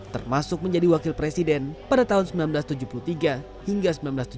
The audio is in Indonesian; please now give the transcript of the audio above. termasuk menjadi wakil presiden pada tahun seribu sembilan ratus tujuh puluh tiga hingga seribu sembilan ratus tujuh puluh